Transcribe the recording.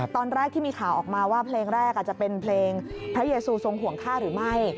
ตอนแรกที่มีข่าวออกมาว่าเพลงแรกอาจจะเป็นเพลงพระเยซูทรงห่วงค่าหรือไม่